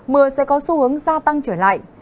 mưa sẽ có xu hướng gia tăng trở lại